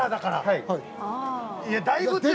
はい。